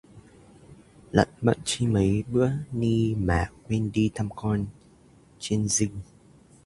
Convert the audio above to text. Lận bận chi mấy bữa ni mà quên đi thăm con trên dinh